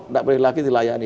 enggak boleh lagi dilayani